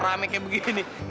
hah kok kamu ngajarin